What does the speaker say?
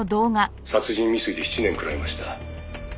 「殺人未遂で７年食らいました」